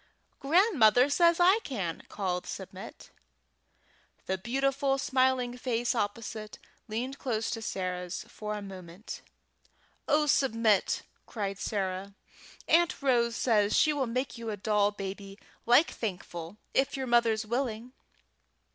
"Grandmother says I can!" called back Submit. The beautiful smiling face opposite leaned close to Sarah's for a minute. "Oh, Submit!" cried Sarah, "Aunt Rose says she will make you a doll baby like Thankful, if your mother's willing!"